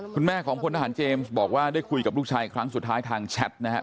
คุณแม่ของพลทหารเจมส์บอกว่าได้คุยกับลูกชายครั้งสุดท้ายทางแชทนะครับ